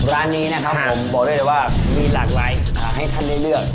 ร้านนี้นะครับผมบอกได้เลยว่ามีหลากหลายให้ท่านได้เลือก